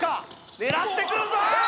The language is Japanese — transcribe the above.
狙ってくるぞあー